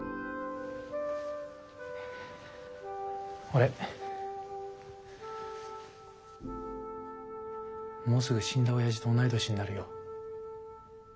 俺もうすぐ死んだおやじと同い年になるよ。